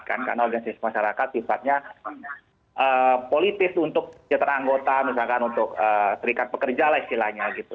karena organisasi masyarakat sifatnya politis untuk jatuh anggota misalkan untuk serikat pekerja lah istilahnya gitu